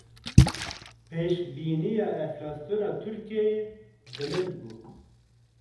Pêşbîniya enflasyona Tirkiyeyê bilind bû.